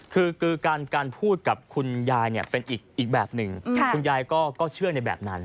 คือการพูดกับคุณยายเนี่ยเป็นอีกแบบหนึ่งคุณยายก็เชื่อในแบบนั้น